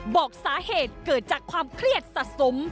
บอกสาเหตุเกิดจากความเครียดสะสม